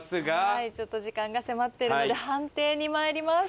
はいちょっと時間が迫っているので判定にまいります。